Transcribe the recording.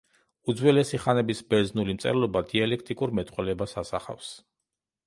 უძველესი ხანების ბერძნული მწერლობა დიალექტურ მეტყველებას ასახავს.